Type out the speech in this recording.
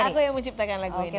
aku yang menciptakan lagu ini